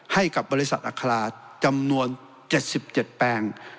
ให้กับบริษัทอาคาราจำนวนเจ็ดสิบเจ็ดแปลง